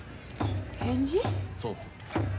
そう。